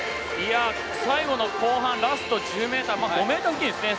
最後の後半ラスト５ｍ付近ですよね。